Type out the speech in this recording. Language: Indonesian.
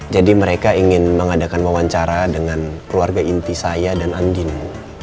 jadi mereka ingin mengadakan wawancara dengan keluarga inti saya dan andino